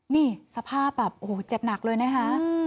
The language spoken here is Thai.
นี่สภาพแบบโอ้โหเจ็บหนักเลยนะคะ